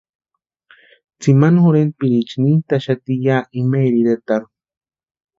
Tsimani jorhentpiriicha nintʼaxati ya imaeri iretarhu.